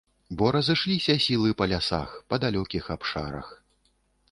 Бо разышліся сілы па лясах, па далёкіх абшарах.